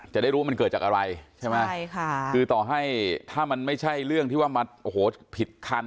จะได้รู้ว่ามันเกิดจากอะไรใช่ไหมใช่ค่ะคือต่อให้ถ้ามันไม่ใช่เรื่องที่ว่ามาโอ้โหผิดคัน